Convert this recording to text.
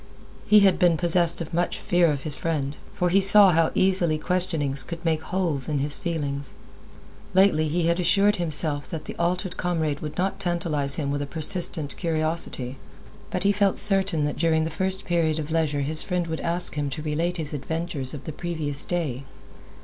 He had been possessed of much fear of his friend, for he saw how easily questionings could make holes in his feelings. Lately, he had assured himself that the altered comrade would not tantalize him with a persistent curiosity, but he felt certain that during the first period of leisure his friend would ask him to relate his adventures of the previous day.